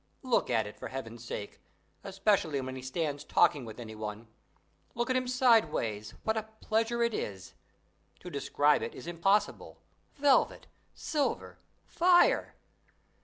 Look at it, for heaven's sake, especially when he stands talking with any one! look at him side ways: what a pleasure it is! To describe it is impossible: velvet! silver! fire!